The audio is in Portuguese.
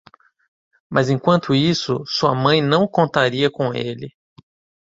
Mas enquanto isso, sua mãe não contaria com ele.